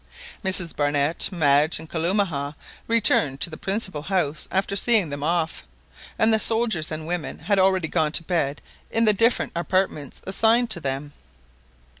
Mrs Barnett, Madge, and Kalumah returned to the principal house after seeing them off, and the soldiers and women had already gone to bed in the different apartments assigned to them.